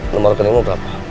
nomor rekeningmu berapa